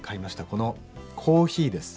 このコーヒーです。